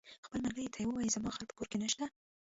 خپل ملګري ته یې وویل: زما خر په کور کې نشته.